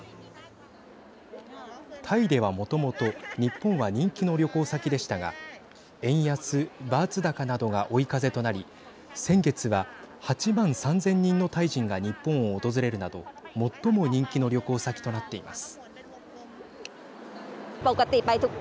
タイでは、もともと日本は人気の旅行先でしたが円安、バーツ高などが追い風となり先月は８万３０００人のタイ人が日本を訪れるなど最も人気の旅行先となっています。